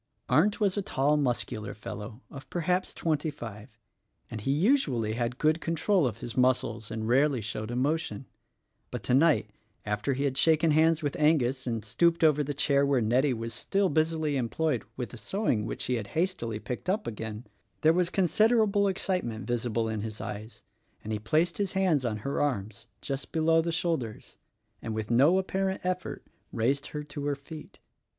Arndt was a tall muscular fellow of perhaps twenty five, and he usually had good control of his muscles and rarely showed emotion; but tonight — after he had shaken hands with Angus and stooped over the chair where Nettie was still busily employed with the sewing which she had hastily picked up again — there was considerable excite ment visible in his eyes, and he placed his hands on her arms, just below the shoulders — and with no apparent effort raised her to her feet.